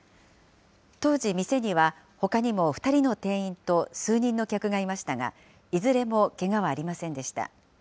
当時、店にはほかにも２人の店員と数人の客がいましたが、いずれもけがはありませんでした。